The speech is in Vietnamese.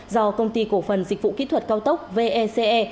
do công ty cổ phần dịch vụ kỹ thuật cao tốc vec